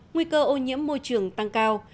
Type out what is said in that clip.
nguy cơ ô nhiễm môi trường tăng cao